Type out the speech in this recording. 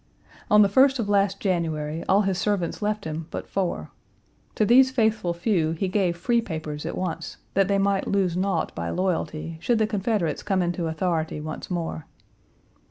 On the first of last January all his servants left him but four. To these faithful few he gave free papers at once, that they might lose naught by loyalty should the Confederates come into authority once more.